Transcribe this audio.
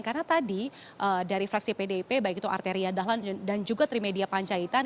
karena tadi dari fraksi pdip baik itu arteria dahlan dan juga trimedia panjaitan